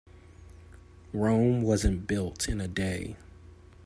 Rome wasn't built in a day.